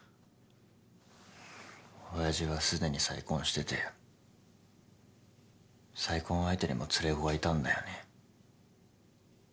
親父はすでに再婚してて再婚相手にも連れ子がいたんだよね。